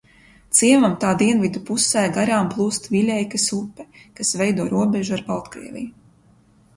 Ciemam tā dienvidu pusē garām plūst Viļeikas upe, kas veido robežu ar Baltkrieviju.